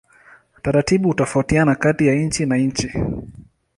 Taratibu hutofautiana kati ya nchi na nchi.